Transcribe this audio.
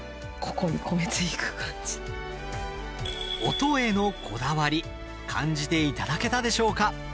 音へのこだわり感じていただけたでしょうか？